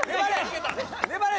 粘れ！